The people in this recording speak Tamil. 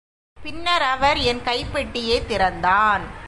பின்னர் அவர் என் கைப்பெட்டியைத் திறந்தான்.